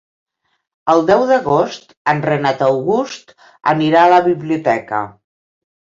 El deu d'agost en Renat August anirà a la biblioteca.